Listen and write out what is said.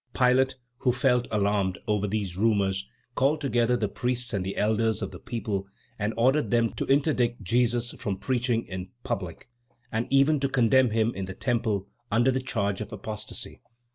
Pilate, who felt alarmed over these rumors, called together the priests and the elders of the people and ordered them to interdict Jesus from preaching in public, and even to condemn him in the temple under the charge of apostasy.